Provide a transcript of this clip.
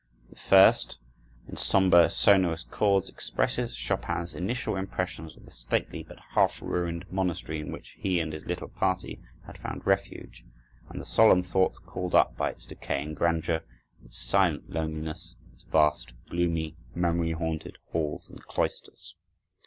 The first, in somber, sonorous chords, expresses Chopin's initial impressions of the stately, but half ruined monastery in which he and his little party had found refuge, and the solemn thoughts called up by its decaying grandeur, its silent loneliness, its vast, gloomy, memory haunted halls and cloisters.